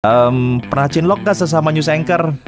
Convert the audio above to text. ehm pernah cilok gak sesama news anchor